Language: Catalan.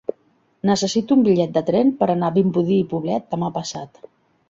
Necessito un bitllet de tren per anar a Vimbodí i Poblet demà passat.